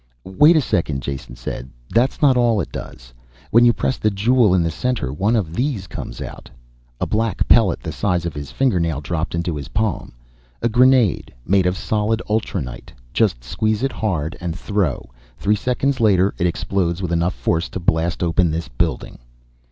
"Wait a second," Jason said, "that's not all it does. When you press the jewel in the center one of these comes out." A black pellet the size of his fingernail dropped into his palm. "A grenade, made of solid ulranite. Just squeeze it hard and throw. Three seconds later it explodes with enough force to blast open this building."